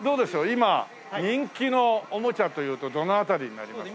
今人気のおもちゃというとどの辺りになりますか？